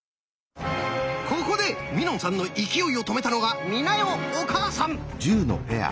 ここでみのんさんの勢いを止めたのが美奈代お母さん。